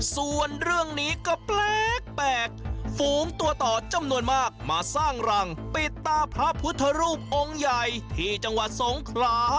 ส่วนเรื่องนี้ก็แปลกฝูงตัวต่อจำนวนมากมาสร้างรังปิดตาพระพุทธรูปองค์ใหญ่ที่จังหวัดสงขลา